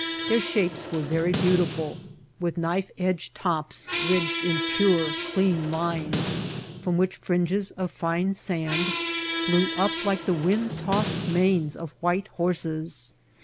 Their shapes were very beau tiful, with knife edge tops ridged in pure, clean lines from which fringes of fine sand blew up like the wind tossed manes of white horses.